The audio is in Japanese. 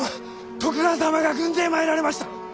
徳川様が軍勢参られました！